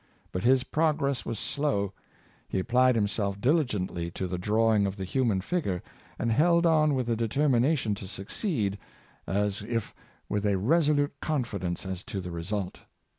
But his progress was slow. He applied himself diligently to the drawing of the human figure, and held on with the determination to succeed, as if with a resolute confidence as to the result.